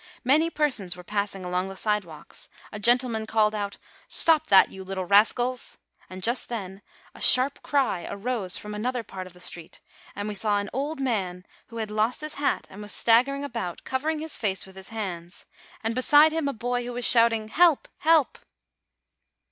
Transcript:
SVlany persons were passing along the sidewalks. A gentleman called out, "Stop that, you little rascals!"; and just then a sharp cry rose from another part of the street, and we saw an old man who had lost his hat and was staggering about, covering his face with his hands, and beside him a boy who was shouting, "Help ! help